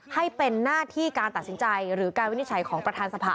ให้เป็นหน้าที่การตัดสินใจหรือการวินิจฉัยของประธานสภา